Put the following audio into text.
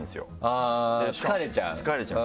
疲れちゃう？